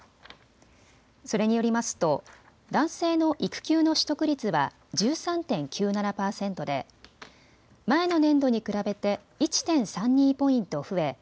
それによりますと男性の育休の取得率は１３．９７％で前の年度に比べて１．３２ポイント増え